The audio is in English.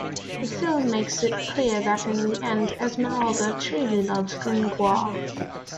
The film makes it clear that in the end Esmeralda truly loves Gringoire.